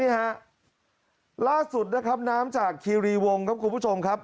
ฮะล่าสุดนะครับน้ำจากคีรีวงครับคุณผู้ชมครับ